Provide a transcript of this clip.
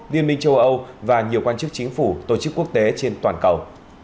liên minh châu âu và nhiều quan chức chính phủ tổ chức quốc tế trên toàn cầu